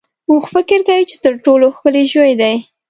اوښ فکر کوي چې تر ټولو ښکلی ژوی دی.